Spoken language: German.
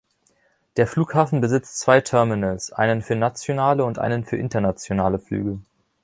Der Flughafen besitzt zwei Terminals, einen für nationale und einen für internationale Flüge.